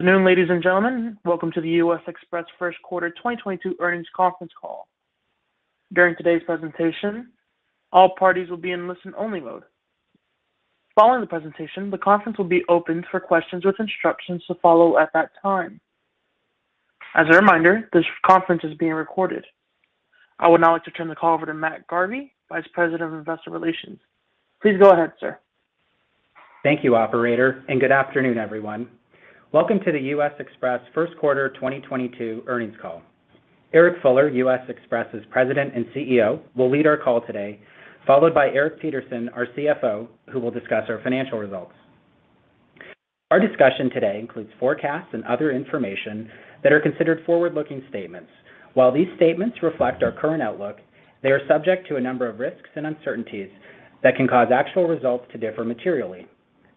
Good noon, ladies and gentlemen. Welcome to the U.S. Xpress first quarter 2022 earnings conference call. During today's presentation, all parties will be in listen-only mode. Following the presentation, the conference will be opened for questions with instructions to follow at that time. As a reminder, this conference is being recorded. I would now like to turn the call over to Matt Garvie, Vice President of Investor Relations. Please go ahead, sir. Thank you, operator, and good afternoon, everyone. Welcome to the U.S. Xpress first quarter 2022 earnings call. Eric Fuller, U.S. Xpress's President and CEO, will lead our call today, followed by Eric Peterson, our CFO, who will discuss our financial results. Our discussion today includes forecasts and other information that are considered forward-looking statements. While these statements reflect our current outlook, they are subject to a number of risks and uncertainties that can cause actual results to differ materially.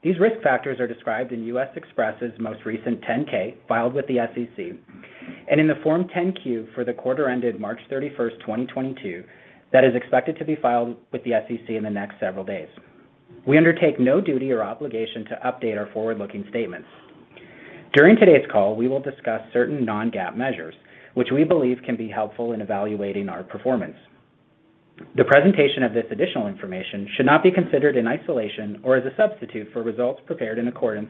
These risk factors are described in U.S. Xpress's most recent 10-K filed with the SEC and in the Form 10-Q for the quarter ended March 31, 2022, that is expected to be filed with the SEC in the next several days. We undertake no duty or obligation to update our forward-looking statements. During today's call, we will discuss certain non-GAAP measures which we believe can be helpful in evaluating our performance. The presentation of this additional information should not be considered in isolation or as a substitute for results prepared in accordance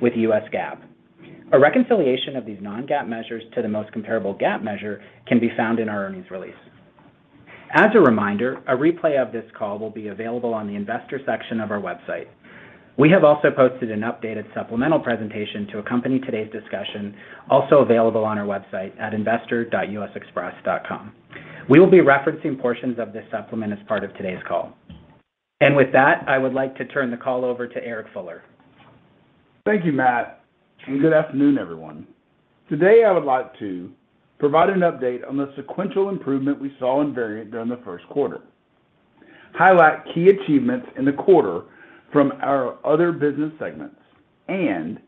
with U.S. GAAP. A reconciliation of these non-GAAP measures to the most comparable GAAP measure can be found in our earnings release. As a reminder, a replay of this call will be available on the investor section of our website. We have also posted an updated supplemental presentation to accompany today's discussion, also available on our website at investor.usxpress.com. We will be referencing portions of this supplement as part of today's call. With that, I would like to turn the call over to Eric Fuller. Thank you, Matt, and good afternoon, everyone. Today, I would like to provide an update on the sequential improvement we saw in Variant during the first quarter, highlight key achievements in the quarter from our other business segments, and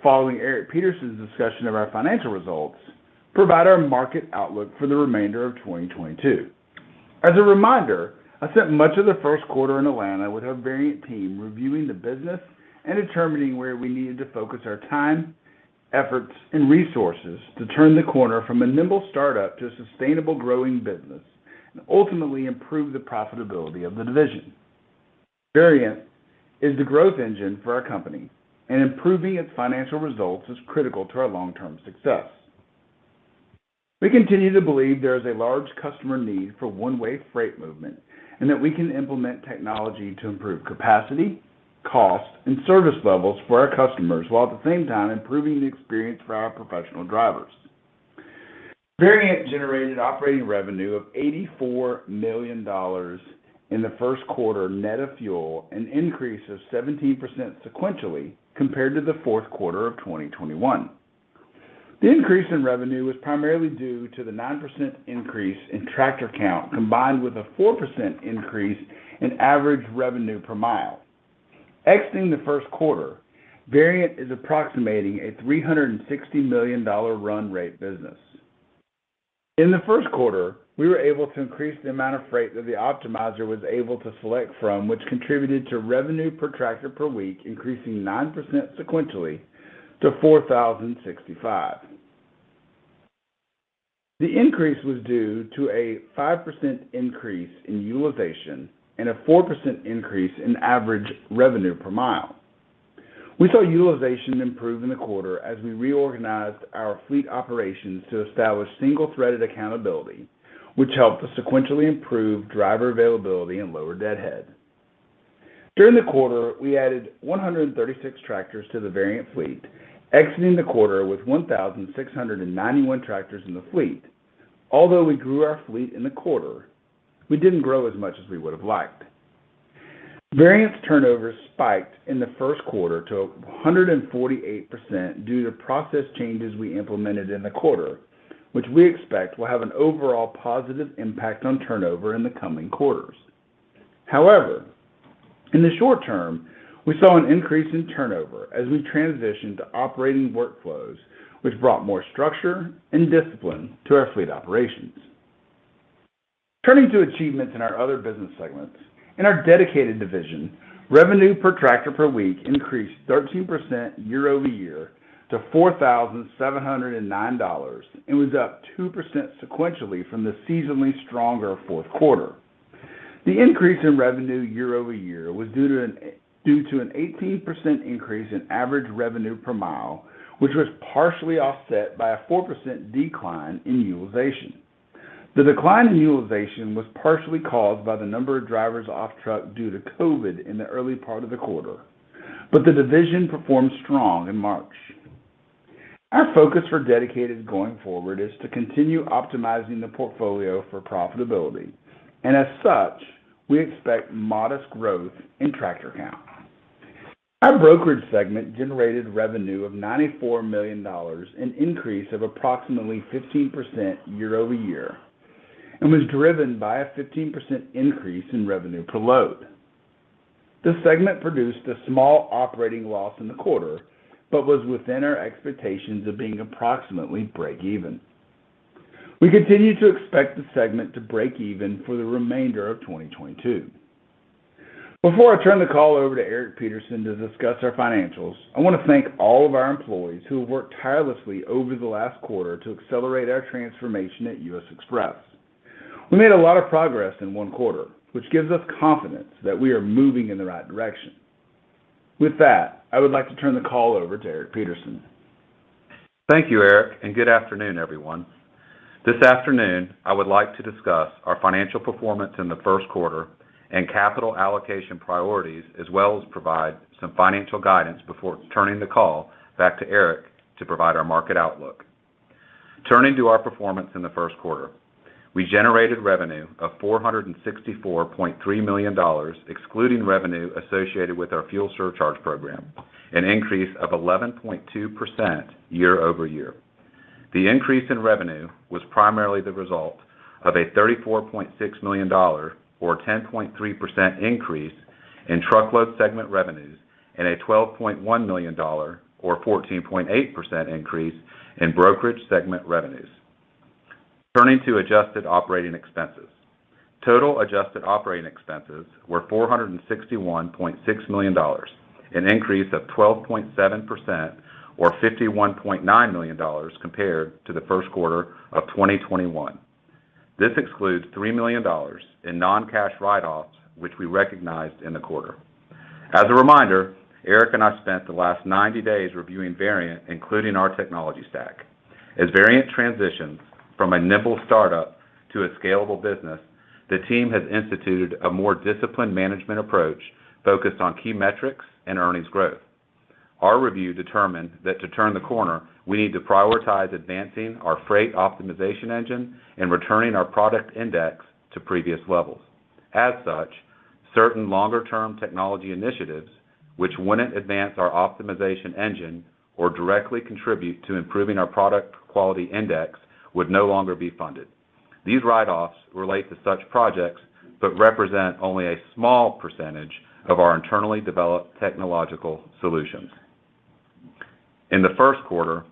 following Eric Peterson's discussion of our financial results, provide our market outlook for the remainder of 2022. As a reminder, I spent much of the first quarter in Atlanta with our Variant team, reviewing the business and determining where we needed to focus our time, efforts, and resources to turn the corner from a nimble startup to a sustainable growing business and ultimately improve the profitability of the division. Variant is the growth engine for our company, and improving its financial results is critical to our long-term success. We continue to believe there is a large customer need for one-way freight movement, and that we can implement technology to improve capacity, cost, and service levels for our customers, while at the same time improving the experience for our professional drivers. Variant generated operating revenue of $84 million in the first quarter net of fuel, an increase of 17% sequentially compared to the fourth quarter of 2021. The increase in revenue was primarily due to the 9% increase in tractor count, combined with a 4% increase in average revenue per mile. Exiting the first quarter, Variant is approximating a $360 million run rate business. In the first quarter, we were able to increase the amount of freight that the optimizer was able to select from, which contributed to revenue per tractor per week, increasing 9% sequentially to $4,065. The increase was due to a 5% increase in utilization and a 4% increase in average revenue per mile. We saw utilization improve in the quarter as we reorganized our fleet operations to establish single-threaded accountability, which helped us sequentially improve driver availability and lower deadhead. During the quarter, we added 136 tractors to the Variant fleet, exiting the quarter with 1,691 tractors in the fleet. Although we grew our fleet in the quarter, we didn't grow as much as we would have liked. Variant's turnover spiked in the first quarter to 148% due to process changes we implemented in the quarter, which we expect will have an overall positive impact on turnover in the coming quarters. However, in the short term, we saw an increase in turnover as we transitioned to operating workflows, which brought more structure and discipline to our fleet operations. Turning to achievements in our other business segments. In our dedicated division, revenue per tractor per week increased 13% year-over-year to $4,709 and was up 2% sequentially from the seasonally stronger fourth quarter. The increase in revenue year-over-year was due to an eighteen percent increase in average revenue per mile, which was partially offset by a 4% decline in utilization. The decline in utilization was partially caused by the number of drivers off truck due to COVID in the early part of the quarter. The division performed strong in March. Our focus for Dedicated going forward is to continue optimizing the portfolio for profitability, and as such, we expect modest growth in tractor count. Our brokerage segment generated revenue of $94 million, an increase of approximately 15% year-over-year, and was driven by a 15% increase in revenue per load. This segment produced a small operating loss in the quarter, but was within our expectations of being approximately break even. We continue to expect the segment to break even for the remainder of 2022. Before I turn the call over to Eric Peterson to discuss our financials, I want to thank all of our employees who have worked tirelessly over the last quarter to accelerate our transformation at U.S. Xpress. We made a lot of progress in one quarter, which gives us confidence that we are moving in the right direction. With that, I would like to turn the call over to Eric Peterson. Thank you, Eric, and good afternoon, everyone. This afternoon, I would like to discuss our financial performance in the first quarter and capital allocation priorities, as well as provide some financial guidance before turning the call back to Eric to provide our market outlook. Turning to our performance in the first quarter, we generated revenue of $464.3 million, excluding revenue associated with our fuel surcharge program, an increase of 11.2% year-over-year. The increase in revenue was primarily the result of a $34.6 million or 10.3% increase in truckload segment revenues and a $12.1 million or 14.8% increase in brokerage segment revenues. Turning to adjusted operating expenses. Total adjusted operating expenses were $461.6 million, an increase of 12.7% or $51.9 million compared to the first quarter of 2021. This excludes $3 million in non-cash write-offs, which we recognized in the quarter. As a reminder, Eric and I spent the last 90 days reviewing Variant, including our technology stack. As Variant transitions from a nimble startup to a scalable business, the team has instituted a more disciplined management approach focused on key metrics and earnings growth. Our review determined that to turn the corner, we need to prioritize advancing our freight optimization engine and returning our product index to previous levels. As such, certain longer-term technology initiatives which wouldn't advance our optimization engine or directly contribute to improving our product quality index would no longer be funded. These write-offs relate to such projects, but represent only a small percentage of our internally developed technological solutions. In the first quarter,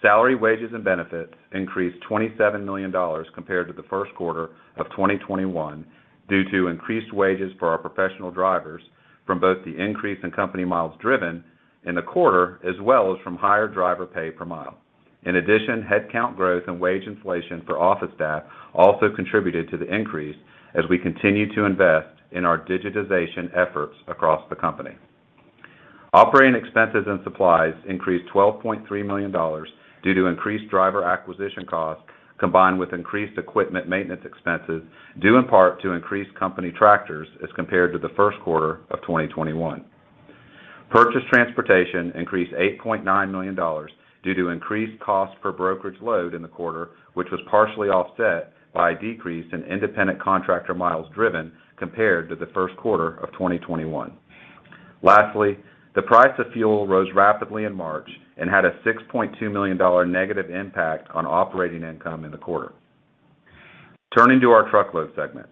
salary, wages, and benefits increased $27 million compared to the first quarter of 2021 due to increased wages for our professional drivers from both the increase in company miles driven in the quarter, as well as from higher driver pay per mile. In addition, headcount growth and wage inflation for office staff also contributed to the increase as we continue to invest in our digitization efforts across the company. Operating expenses and supplies increased $12.3 million due to increased driver acquisition costs combined with increased equipment maintenance expenses due in part to increased company tractors as compared to the first quarter of 2021. Purchase transportation increased $8.9 million due to increased cost per brokerage load in the quarter, which was partially offset by a decrease in independent contractor miles driven compared to the first quarter of 2021. Lastly, the price of fuel rose rapidly in March and had a $6.2 million negative impact on operating income in the quarter. Turning to our truckload segment.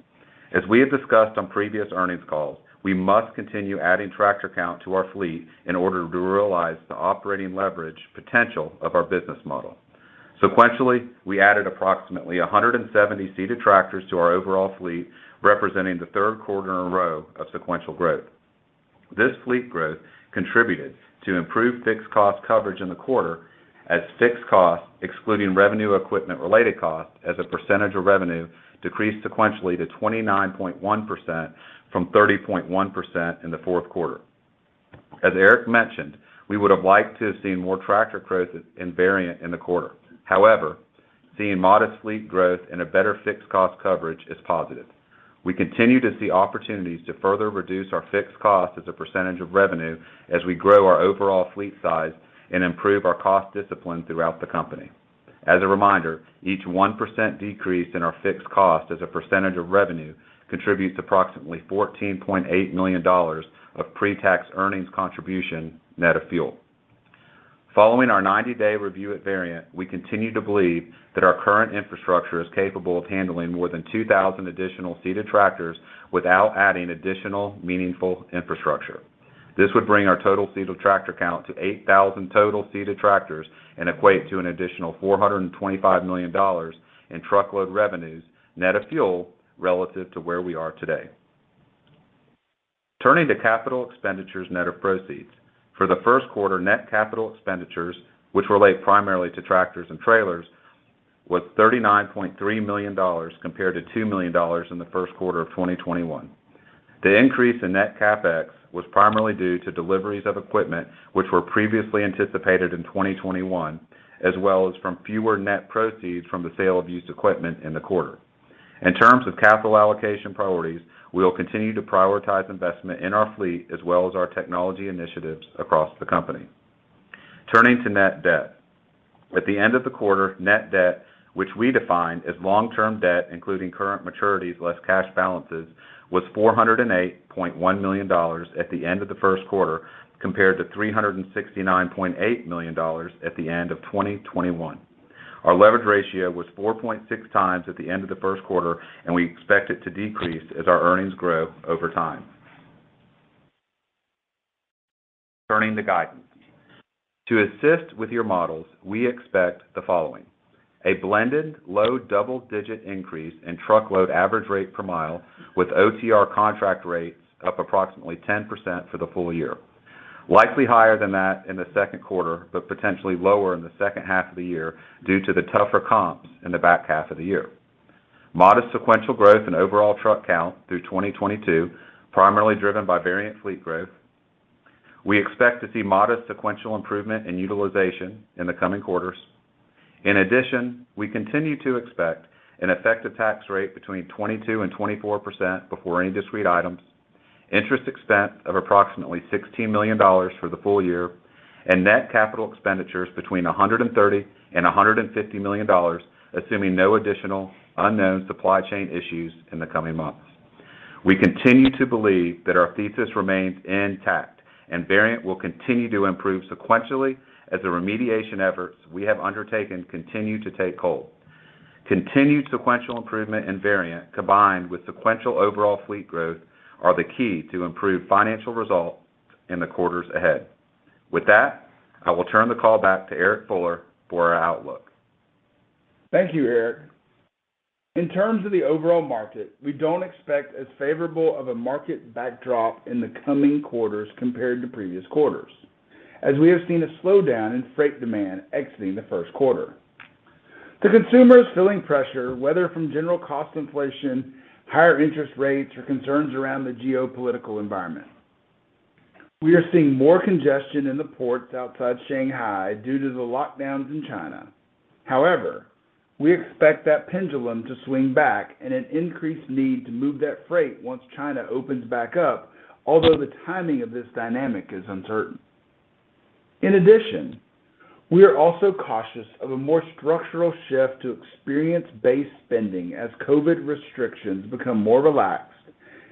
As we have discussed on previous earnings calls, we must continue adding tractor count to our fleet in order to realize the operating leverage potential of our business model. Sequentially, we added approximately 170 seated tractors to our overall fleet, representing the third quarter in a row of sequential growth. This fleet growth contributed to improved fixed cost coverage in the quarter as fixed costs, excluding revenue equipment related costs as a percentage of revenue, decreased sequentially to 29.1% from 30.1% in the fourth quarter. As Eric mentioned, we would have liked to have seen more tractor growth in Variant in the quarter. However, seeing modest fleet growth and a better fixed cost coverage is positive. We continue to see opportunities to further reduce our fixed cost as a percentage of revenue as we grow our overall fleet size and improve our cost discipline throughout the company. As a reminder, each 1% decrease in our fixed cost as a percentage of revenue contributes approximately $14.8 million of pre-tax earnings contribution net of fuel. Following our 90-day review at Variant, we continue to believe that our current infrastructure is capable of handling more than 2,000 additional seated tractors without adding additional meaningful infrastructure. This would bring our total seated tractor count to 8,000 total seated tractors and equate to an additional $425 million in truckload revenues net of fuel relative to where we are today. Turning to capital expenditures net of proceeds. For the first quarter, net capital expenditures, which relate primarily to tractors and trailers, was $39.3 million compared to $2 million in the first quarter of 2021. The increase in net CapEx was primarily due to deliveries of equipment, which were previously anticipated in 2021, as well as from fewer net proceeds from the sale of used equipment in the quarter. In terms of capital allocation priorities, we will continue to prioritize investment in our fleet as well as our technology initiatives across the company. Turning to net debt. At the end of the quarter, net debt, which we define as long-term debt, including current maturities less cash balances, was $408.1 million at the end of the first quarter compared to $369.8 million at the end of 2021. Our leverage ratio was 4.6x at the end of the first quarter, and we expect it to decrease as our earnings grow over time. Turning to the guidance. To assist with your models, we expect the following. A blended low double-digit increase in truckload average rate per mile with OTR contract rates up approximately 10% for the full year. Likely higher than that in the second quarter, but potentially lower in the second half of the year due to the tougher comps in the back half of the year. Modest sequential growth in overall truck count through 2022, primarily driven by Variant fleet growth. We expect to see modest sequential improvement in utilization in the coming quarters. In addition, we continue to expect an effective tax rate between 22% and 24% before any discrete items, interest expense of approximately $16 million for the full year, and net capital expenditures between $130 million and $150 million, assuming no additional unknown supply chain issues in the coming months. We continue to believe that our thesis remains intact and Variant will continue to improve sequentially as the remediation efforts we have undertaken continue to take hold. Continued sequential improvement in Variant combined with sequential overall fleet growth are the key to improved financial results in the quarters ahead. With that, I will turn the call back to Eric Fuller for our outlook. Thank you, Eric. In terms of the overall market, we don't expect as favorable of a market backdrop in the coming quarters compared to previous quarters, as we have seen a slowdown in freight demand exiting the first quarter. The consumer is feeling pressure, whether from general cost inflation, higher interest rates, or concerns around the geopolitical environment. We are seeing more congestion in the ports outside Shanghai due to the lockdowns in China. However, we expect that pendulum to swing back and an increased need to move that freight once China opens back up, although the timing of this dynamic is uncertain. In addition, we are also cautious of a more structural shift to experience-based spending as COVID restrictions become more relaxed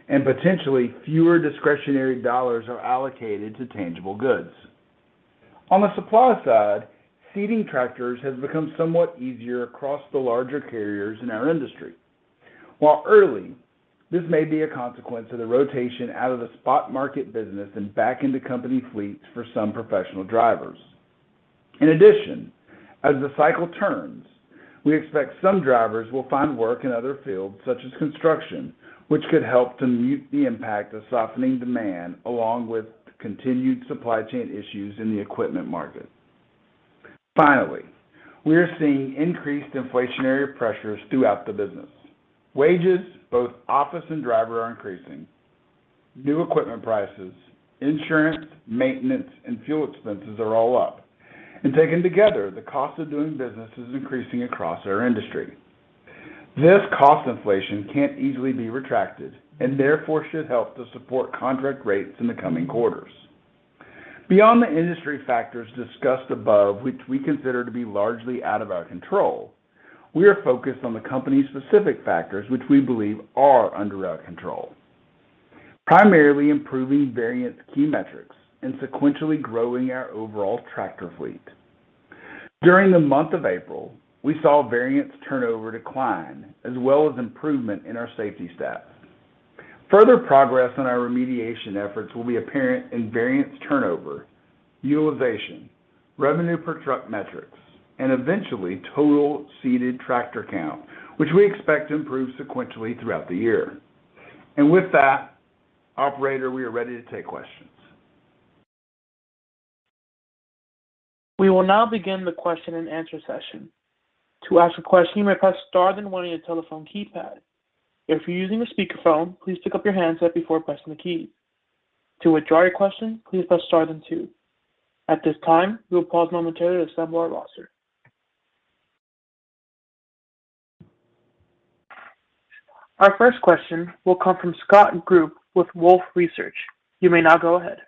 and potentially fewer discretionary dollars are allocated to tangible goods. On the supply side, seated tractors has become somewhat easier across the larger carriers in our industry. While early, this may be a consequence of the rotation out of the spot market business and back into company fleets for some professional drivers. In addition, as the cycle turns, we expect some drivers will find work in other fields, such as construction, which could help to mute the impact of softening demand along with continued supply chain issues in the equipment market. Finally, we are seeing increased inflationary pressures throughout the business. Wages, both office and driver, are increasing. New equipment prices, insurance, maintenance, and fuel expenses are all up. Taken together, the cost of doing business is increasing across our industry. This cost inflation can't easily be retracted and therefore should help to support contract rates in the coming quarters. Beyond the industry factors discussed above, which we consider to be largely out of our control, we are focused on the company's specific factors which we believe are under our control. Primarily improving Variant's key metrics and sequentially growing our overall tractor fleet. During the month of April, we saw Variant's turnover decline as well as improvement in our safety stats. Further progress on our remediation efforts will be apparent in Variant's turnover, utilization, revenue per truck metrics, and eventually total seated tractor count, which we expect to improve sequentially throughout the year. With that, operator, we are ready to take questions. We will now begin the question and answer session. To ask a question, you may press star then one on your telephone keypad. If you're using a speakerphone, please pick up your handset before pressing the key. To withdraw your question, please press star then two. At this time, we will pause momentarily to assemble our roster. Our first question will come from Scott Group with Wolfe Research. You may now go ahead.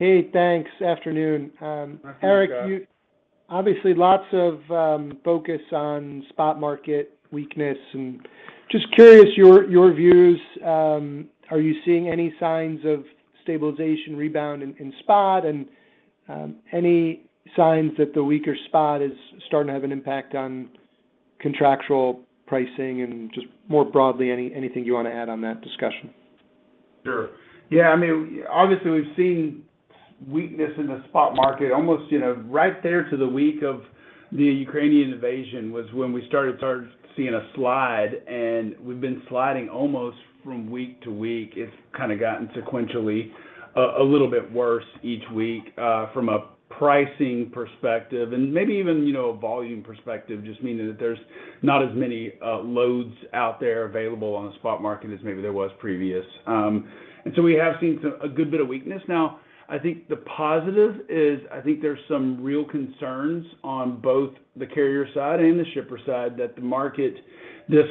Hey, thanks. Afternoon. Hi, Scott. Eric, you obviously, lots of focus on spot market weakness and just curious your views. Are you seeing any signs of stabilization rebound in spot and any signs that the weaker spot is starting to have an impact on contractual pricing and just more broadly, anything you want to add on that discussion? Sure. Yeah, I mean, obviously we've seen weakness in the spot market almost, you know, right there to the week of the Ukrainian invasion was when we started seeing a slide, and we've been sliding almost from week to week. It's kinda gotten sequentially a little bit worse each week from a pricing perspective and maybe even, you know, a volume perspective, just meaning that there's not as many loads out there available on the spot market as maybe there was previously. We have seen a good bit of weakness. Now, I think the positive is I think there's some real concerns on both the carrier side and the shipper side that the market, this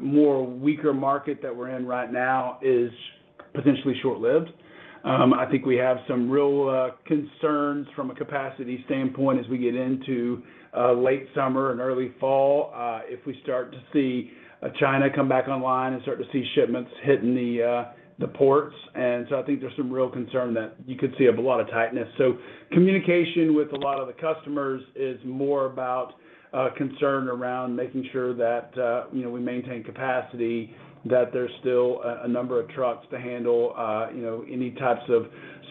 more weaker market that we're in right now is potentially short-lived. I think we have some real concerns from a capacity standpoint as we get into late summer and early fall if we start to see China come back online and start to see shipments hitting the ports. I think there's some real concern that you could see a lot of tightness. Communication with a lot of the customers is more about concern around making sure that you know we maintain capacity, that there's still a number of trucks to handle you know any types of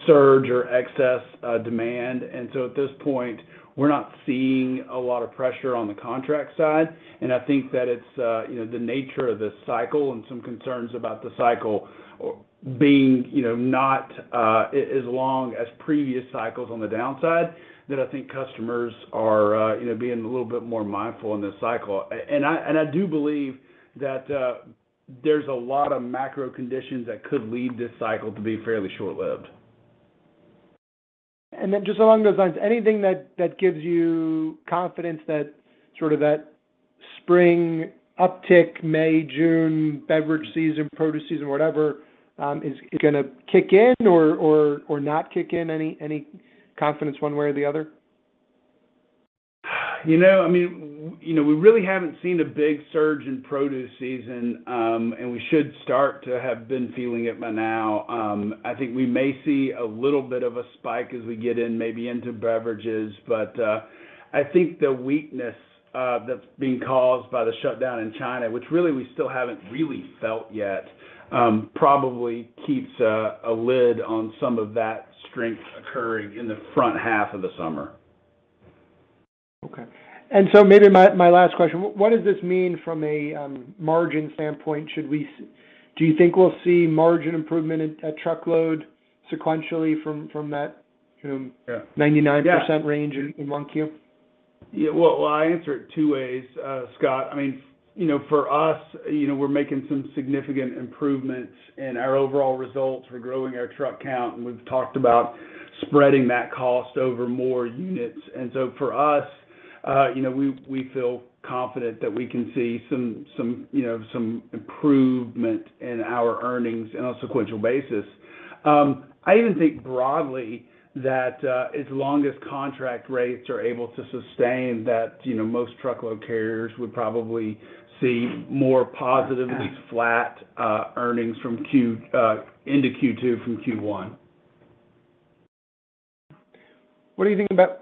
surge or excess demand. At this point, we're not seeing a lot of pressure on the contract side. I think that it's, you know, the nature of this cycle and some concerns about the cycle, being, you know, not, as long as previous cycles on the downside that I think customers are, you know, being a little bit more mindful in this cycle. I do believe that, there's a lot of macro conditions that could lead this cycle to be fairly short-lived. Then just along those lines, anything that gives you confidence that sort of that spring uptick, May, June, beverage season, produce season, whatever, is gonna kick in or not kick in? Any confidence one way or the other? You know, I mean, we really haven't seen a big surge in produce season, and we should start to have been feeling it by now. I think we may see a little bit of a spike as we get in, maybe into beverages, but I think the weakness that's being caused by the shutdown in China, which really we still haven't really felt yet, probably keeps a lid on some of that strength occurring in the front half of the summer. Okay. Maybe my last question. What does this mean from a margin standpoint? Do you think we'll see margin improvement at truckload sequentially from that, you know? Yeah 99% range in 1Q? Yeah. Well, I answer it two ways, Scott. I mean, you know, for us, you know, we're making some significant improvements in our overall results. We're growing our truck count, and we've talked about spreading that cost over more units. And so for us, you know, we feel confident that we can see some improvement in our earnings on a sequential basis. I even think broadly that as long as contract rates are able to sustain that, you know, most truckload carriers would probably see more positively flat earnings from Q1 into Q2.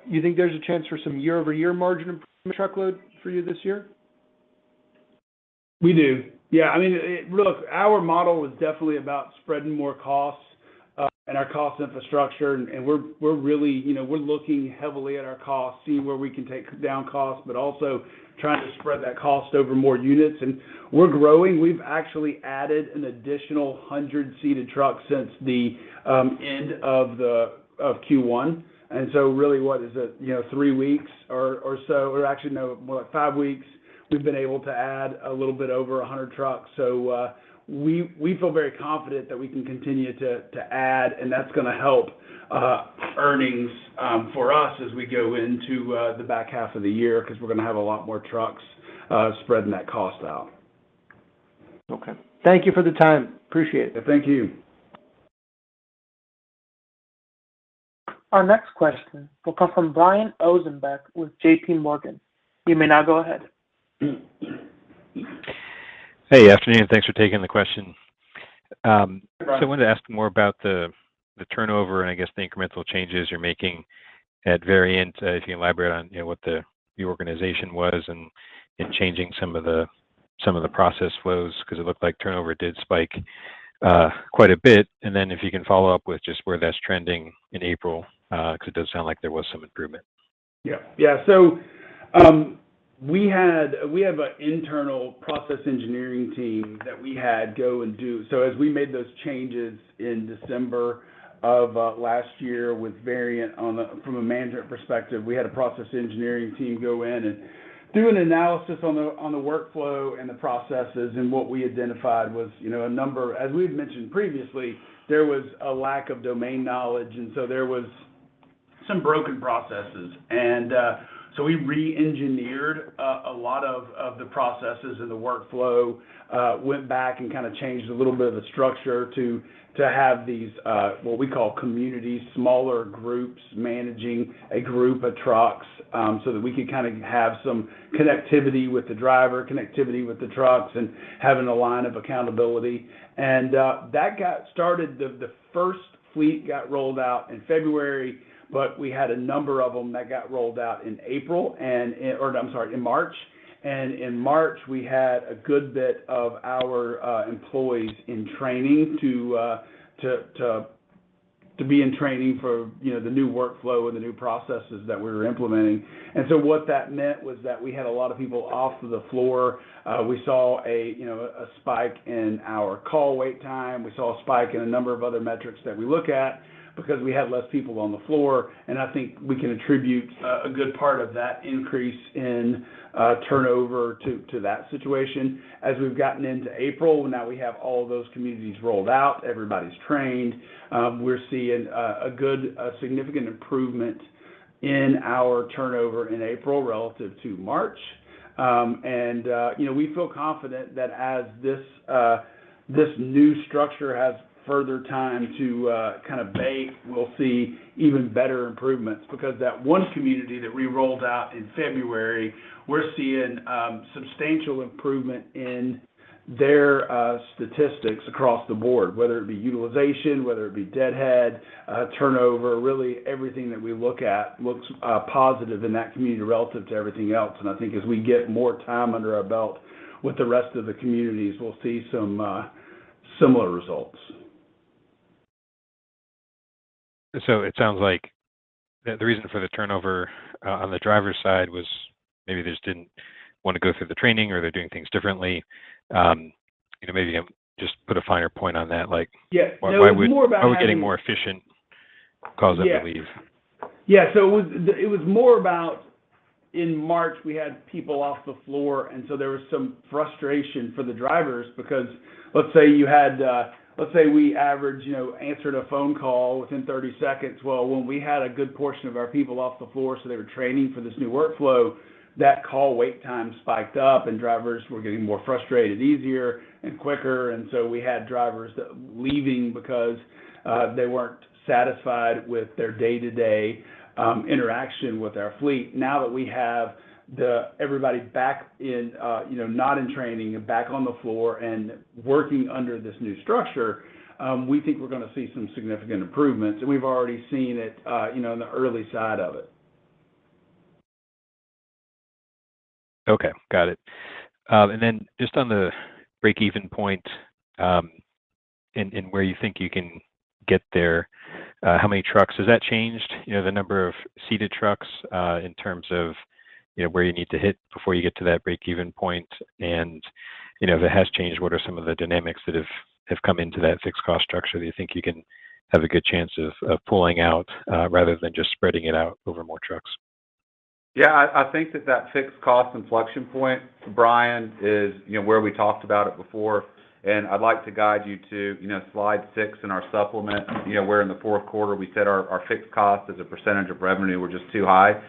You think there's a chance for some year-over-year margin improvement truckload for you this year? We do. Yeah. I mean, Look, our model was definitely about spreading more costs, and our cost infrastructure, and we're really, you know, we're looking heavily at our costs, seeing where we can take down costs, but also trying to spread that cost over more units. We're growing. We've actually added an additional 100 seated trucks since the end of Q1, and so really, what is it, you know, three weeks or so? Or actually, no, more like five weeks, we've been able to add a little bit over 100 trucks. We feel very confident that we can continue to add, and that's gonna help earnings for us as we go into the back half of the year 'cause we're gonna have a lot more trucks spreading that cost out. Okay. Thank you for the time. Appreciate it. Thank you. Our next question will come from Brian Ossenbeck with JPMorgan. You may now go ahead. Hey, afternoon. Thanks for taking the question. I wanted to ask more about the turnover and I guess the incremental changes you're making at Variant. If you can elaborate on, you know, what the organization was and changing some of the process flows, 'cause it looked like turnover did spike quite a bit. Then if you can follow up with just where that's trending in April, 'cause it does sound like there was some improvement. Yeah. We have an internal process engineering team that we had go and do. As we made those changes in December of last year with Variant from a management perspective, we had a process engineering team go in and do an analysis on the workflow and the processes. What we identified was, you know, a number, as we've mentioned previously, there was a lack of domain knowledge, and so there was some broken processes. We re-engineered a lot of the processes and the workflow, went back and kinda changed a little bit of the structure to have these what we call communities, smaller groups managing a group of trucks, so that we could kinda have some connectivity with the driver, connectivity with the trucks, and having a line of accountability. That got started, the first fleet got rolled out in February, but we had a number of them that got rolled out in April and, or I'm sorry, in March. In March, we had a good bit of our employees in training to be in training for, you know, the new workflow and the new processes that we were implementing. What that meant was that we had a lot of people off of the floor. We saw, you know, a spike in our call wait time. We saw a spike in a number of other metrics that we look at because we had less people on the floor, and I think we can attribute a good part of that increase in turnover to that situation. As we've gotten into April, now we have all those communities rolled out, everybody's trained, we're seeing a significant improvement in our turnover in April relative to March. You know, we feel confident that as this new structure has further time to kind of bake, we'll see even better improvements because that one community that we rolled out in February, we're seeing substantial improvement in their statistics across the board, whether it be utilization, whether it be deadhead, turnover. Really everything that we look at looks positive in that community relative to everything else. I think as we get more time under our belt with the rest of the communities, we'll see some similar results. It sounds like the reason for the turnover on the driver's side was maybe they just didn't wanna go through the training or they're doing things differently. You know, just put a finer point on that. No, it was more about having. Are we getting more efficient? Yeah Cause of leave? Yeah. It was more about in March we had people off the floor, and so there was some frustration for the drivers because let's say you had, let's say we average, you know, answered a phone call within 30 seconds. Well, when we had a good portion of our people off the floor, so they were training for this new workflow, that call wait time spiked up, and drivers were getting more frustrated easier and quicker. We had drivers leaving because they weren't satisfied with their day-to-day interaction with our fleet. Now that we have everybody back in, you know, not in training and back on the floor and working under this new structure, we think we're gonna see some significant improvements, and we've already seen it, you know, in the early side of it. Okay. Got it. Just on the break-even point, and where you think you can get there, how many trucks has that changed? You know, the number of seated trucks, in terms of, you know, where you need to hit before you get to that break-even point. You know, if it has changed, what are some of the dynamics that have come into that fixed cost structure that you think you can have a good chance of pulling out, rather than just spreading it out over more trucks? Yeah. I think that fixed cost inflection point, Brian, is, you know, where we talked about it before, and I'd like to guide you to, you know, slide six in our supplement. You know, where in the fourth quarter we said our fixed cost as a percentage of revenue were just too high,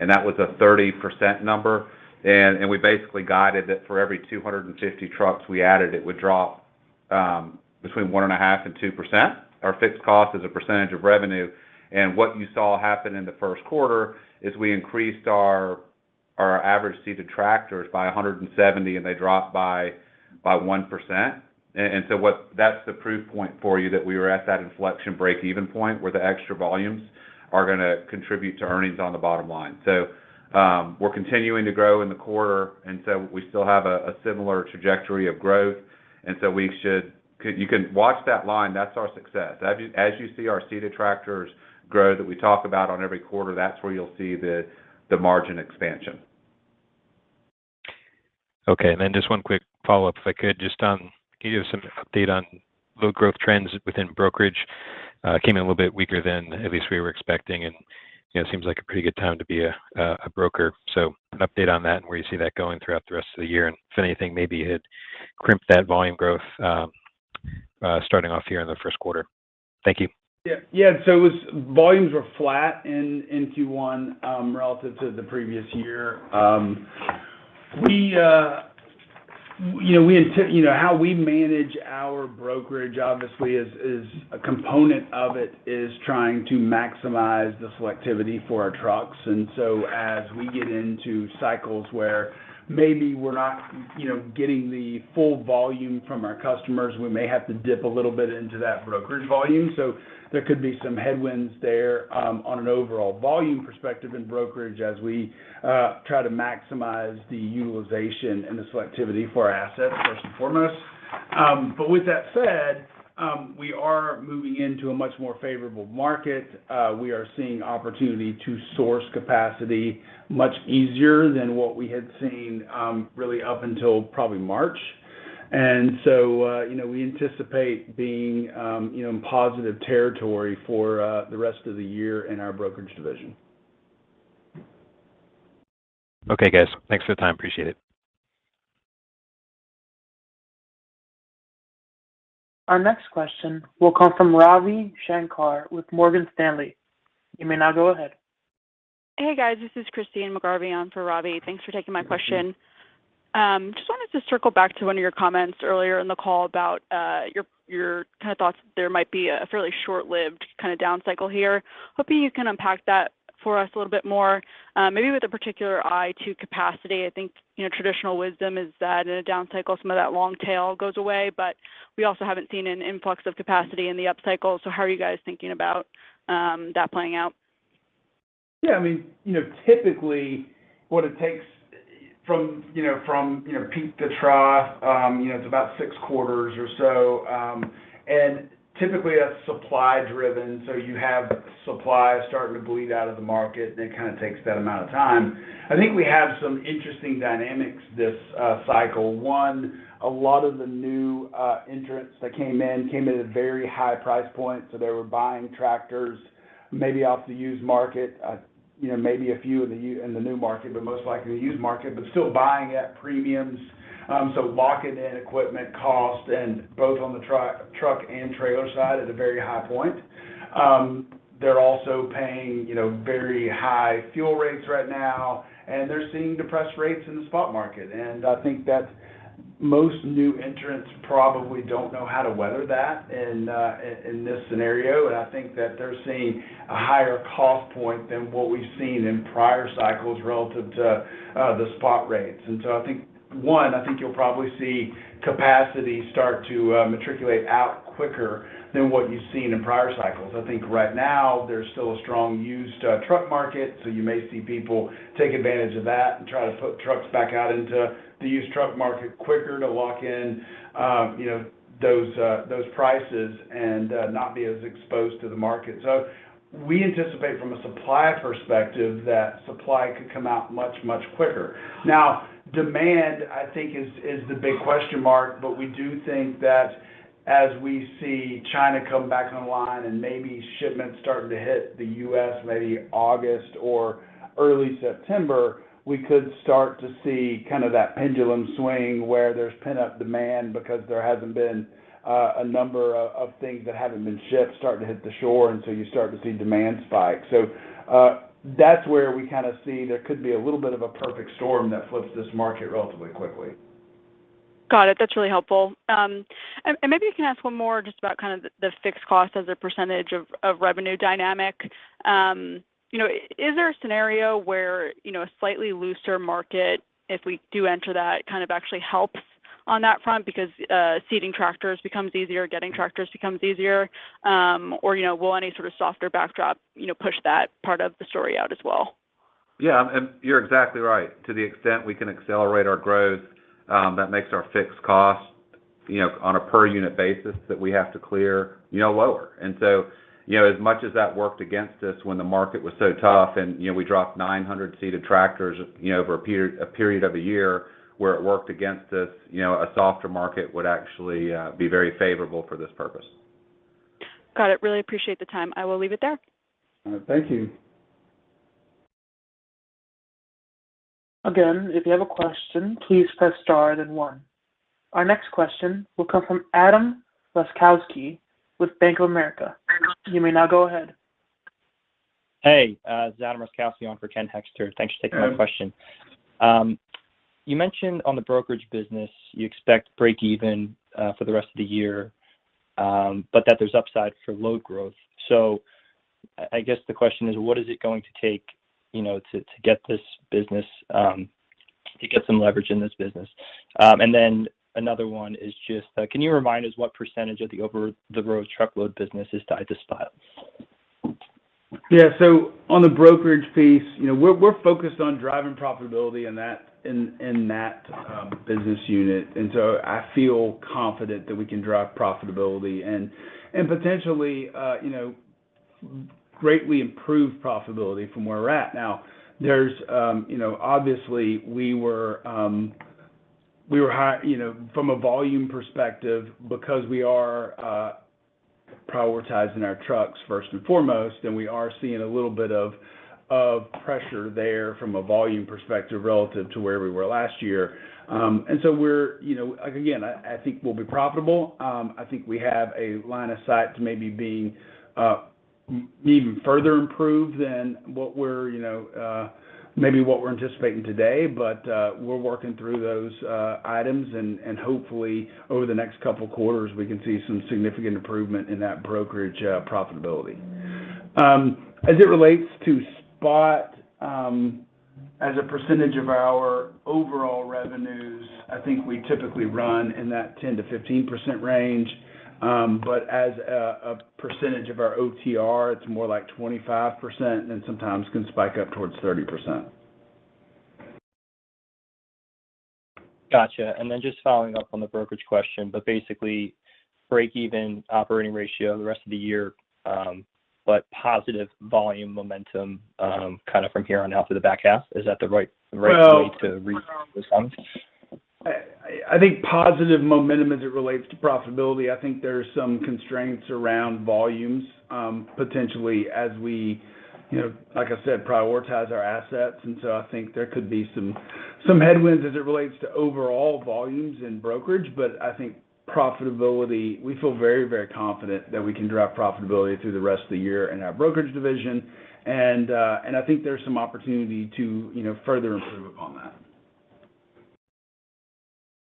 and that was a 30% number. We basically guided that for every 250 trucks we added, it would drop between 1.5% and 2%. Our fixed cost is a percentage of revenue. What you saw happen in the first quarter is we increased our average seated tractors by 170, and they dropped by 1%. That's the proof point for you that we were at that inflection break-even point where the extra volumes are gonna contribute to earnings on the bottom line. We're continuing to grow in the quarter, and so we still have a similar trajectory of growth. You can watch that line, that's our success. As you see our seated tractors grow that we talk about on every quarter, that's where you'll see the margin expansion. Okay. Then just one quick follow-up if I could just on. Can you give us some update on load growth trends within brokerage? Came in a little bit weaker than at least we were expecting and, you know, seems like a pretty good time to be a broker. So an update on that and where you see that going throughout the rest of the year, and if anything maybe it crimped that volume growth, starting off here in the first quarter. Thank you. Volumes were flat in Q1 relative to the previous year. You know, how we manage our brokerage obviously is a component of it, trying to maximize the selectivity for our trucks. As we get into cycles where maybe we're not, you know, getting the full volume from our customers, we may have to dip a little bit into that brokerage volume. There could be some headwinds there on an overall volume perspective in brokerage as we try to maximize the utilization and the selectivity for our assets first and foremost. With that said, we are moving into a much more favorable market. We are seeing opportunity to source capacity much easier than what we had seen really up until probably March. You know, we anticipate being, you know, in positive territory for the rest of the year in our brokerage division. Okay, guys. Thanks for the time. Appreciate it. Our next question will come from Ravi Shanker with Morgan Stanley. You may now go ahead. Hey, guys. This is Christyne McGarvey on for Ravi. Thanks for taking my question. Just wanted to circle back to one of your comments earlier in the call about your kind of thoughts that there might be a fairly short-lived kind of down cycle here. Hoping you can unpack that for us a little bit more, maybe with a particular eye to capacity. I think, you know, traditional wisdom is that in a down cycle some of that long tail goes away, but we also haven't seen an influx of capacity in the up cycle. How are you guys thinking about that playing out? Yeah, I mean, you know, typically what it takes from peak to trough, you know, it's about six quarters or so. Typically that's supply driven, so you have supply starting to bleed out of the market, and it kinda takes that amount of time. I think we have some interesting dynamics this cycle. One, a lot of the new entrants that came in came in at a very high price point, so they were buying tractors maybe off the used market, you know, maybe a few in the new market, but most likely the used market, but still buying at premiums. So locking in equipment cost and both on the truck and trailer side at a very high point. They're also paying, you know, very high fuel rates right now, and they're seeing depressed rates in the spot market. I think that's most new entrants probably don't know how to weather that in this scenario. I think that they're seeing a higher cost point than what we've seen in prior cycles relative to the spot rates. I think, one, I think you'll probably see capacity start to migrate out quicker than what you've seen in prior cycles. I think right now there's still a strong used truck market, so you may see people take advantage of that and try to put trucks back out into the used truck market quicker to lock in, you know, those prices and not be as exposed to the market. We anticipate from a supply perspective that supply could come out much, much quicker. Now, demand, I think is the big question mark, but we do think that as we see China come back online and maybe shipments starting to hit the U.S. maybe August or early September, we could start to see kind of that pendulum swing where there's pent-up demand because there hasn't been a number of things that haven't been shipped starting to hit the shore, and so you start to see demand spike. That's where we kind of see there could be a little bit of a perfect storm that flips this market relatively quickly. Got it. That's really helpful. Maybe I can ask one more just about kind of the fixed cost as a percentage of revenue dynamic. You know, is there a scenario where, you know, a slightly looser market, if we do enter that, kind of actually helps on that front because seated tractors becomes easier, getting tractors becomes easier, or, you know, will any sort of softer backdrop, you know, push that part of the story out as well? Yeah. You're exactly right. To the extent we can accelerate our growth, that makes our fixed cost, you know, on a per unit basis that we have to clear, you know, lower. You know, as much as that worked against us when the market was so tough and, you know, we dropped 900 seated tractors, you know, over a period of a year where it worked against us, you know, a softer market would actually be very favorable for this purpose. Got it. Really appreciate the time. I will leave it there. All right. Thank you. Again, if you have a question, please press star then one. Our next question will come from Adam Laskowski with Bank of America. You may now go ahead. Hey, it's Adam Laskowski on for Ken Hoexter. Thanks for taking my question. You mentioned on the brokerage business you expect break even for the rest of the year, but that there's upside for load growth. I guess the question is what is it going to take, you know, to get this business to get some leverage in this business? Another one is just, can you remind us what percentage of the over the road truckload business is tied to spot? Yeah. So on the brokerage piece, you know, we're focused on driving profitability in that business unit. I feel confident that we can drive profitability and potentially, you know, greatly improve profitability from where we're at now. There's, you know, obviously we were high, you know, from a volume perspective because we are prioritizing our trucks first and foremost, and we are seeing a little bit of pressure there from a volume perspective relative to where we were last year. We're, you know, again, I think we'll be profitable. I think we have a line of sight to maybe being even further improved than what we're, you know, maybe what we're anticipating today. We're working through those items and hopefully over the next couple of quarters, we can see some significant improvement in that brokerage profitability. As it relates to spot, as a percentage of our overall revenues, I think we typically run in that 10%-15% range. As a percentage of our OTR, it's more like 25% and sometimes can spike up towards 30%. Gotcha. Just following up on the brokerage question, but basically break-even operating ratio the rest of the year, but positive volume momentum, kind of from here on out to the back half. Is that the right way to read this one? Well, I think positive momentum as it relates to profitability. I think there's some constraints around volumes, potentially as we, you know, like I said, prioritize our assets. I think there could be some headwinds as it relates to overall volumes in brokerage. But I think profitability, we feel very, very confident that we can drive profitability through the rest of the year in our brokerage division. I think there's some opportunity to, you know, further improve upon that.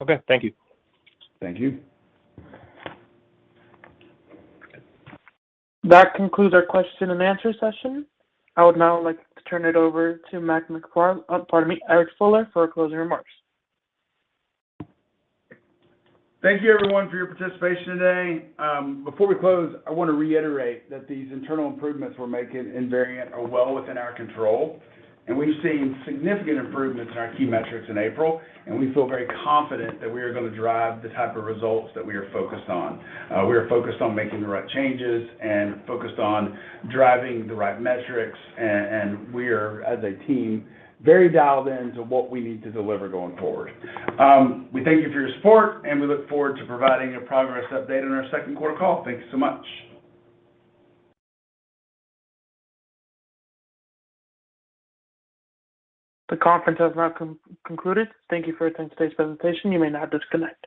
Okay. Thank you. Thank you. That concludes our question and answer session. I would now like to turn it over to Matt Garvie, pardon me, Eric Fuller for closing remarks. Thank you everyone for your participation today. Before we close, I want to reiterate that these internal improvements we're making in Variant are well within our control, and we've seen significant improvements in our key metrics in April, and we feel very confident that we are going to drive the type of results that we are focused on. We are focused on making the right changes and focused on driving the right metrics, and we are, as a team, very dialed in to what we need to deliver going forward. We thank you for your support, and we look forward to providing a progress update on our second quarter call. Thank you so much. The conference has now concluded. Thank you for attending today's presentation. You may now disconnect.